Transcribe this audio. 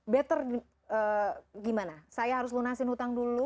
better gimana saya harus lunasin utang dulu